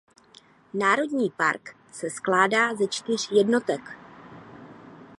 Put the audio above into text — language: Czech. Národní park se skládá ze čtyř jednotek.